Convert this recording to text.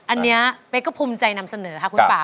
อันนี้เป๊กก็ภูมิใจนำเสนอค่ะคุณป่า